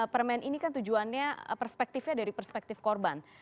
permen ini kan tujuannya perspektifnya dari perspektif korban